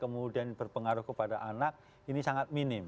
kemudian berpengaruh kepada anak ini sangat minim